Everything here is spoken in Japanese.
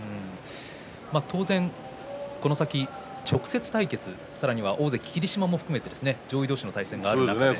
当然この先、直接対決さらには大関霧島も含めて上位同士の対戦があります。